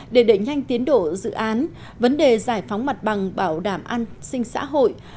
để đẩy nhanh tiến độ dự án vấn đề giải phóng mặt bằng bảo đảm an sinh xã hội